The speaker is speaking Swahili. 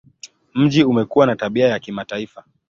Mji umekuwa na tabia ya kimataifa.